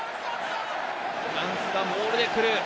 フランスがモールでくる！